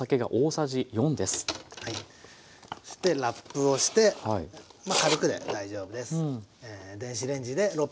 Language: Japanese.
ラップをしてまあ軽くで大丈夫です。